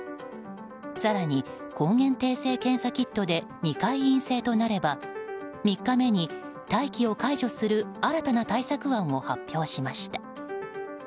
更に抗原定性検査キットで２回陰性となれば３日目に待機を解除する新たな対策案を発表しました。